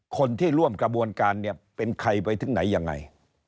คนที่ร่วมกระบวนการเนี่ยเป็นใครไปถึงไหนยังไง